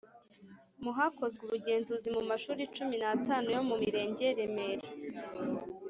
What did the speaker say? mu Hakozwe ubugenzuzi mu mashuri cumi n atanu yo mu Mirenge Remera